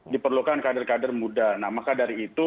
diperlukan kader kader muda nah maka dari itu